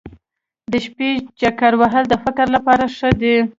د شپې چکر وهل د فکر لپاره ښه دي.